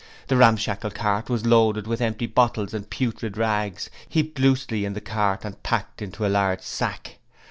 The ramshackle cart was loaded with empty bottles and putrid rags, heaped loosely in the cart and packed into a large sack.